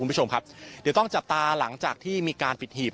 คุณผู้ชมครับเดี๋ยวต้องจับตาหลังจากที่มีการปิดหีบ